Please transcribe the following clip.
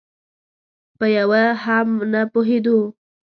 په یوه هم ونه پوهېدو.